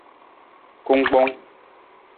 Kungkpong.